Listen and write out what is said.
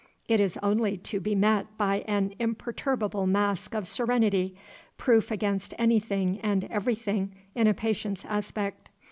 It is only to be met by an imperturbable mask of serenity, proof against anything and everything in a patient's aspect.